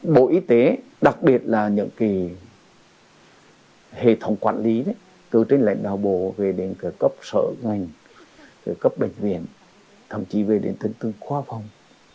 bộ y tế đặc biệt là những cái hệ thống quản lý đấy từ trên lệnh đạo bộ về đến cơ cấp sở ngành cơ cấp bệnh viện thậm chí về đến tân tư khoa phòng